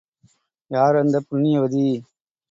யார் அந்தப் புண்ணியவதி?